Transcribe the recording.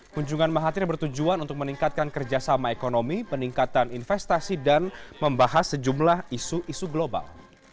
kunjungan mahathir bertujuan untuk meningkatkan kerjasama ekonomi peningkatan investasi dan membahas sejumlah isu isu global